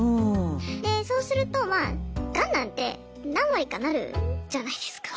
でそうするとまあガンなんて何割かなるじゃないですか。